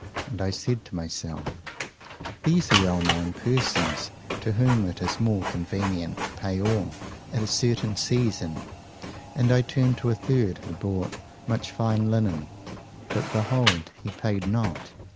And I said to myself, These are well known persons, to whom it is more convenient to pay all at a certain season; and I turned to a third who bought much fine linen. But behold! he paid not.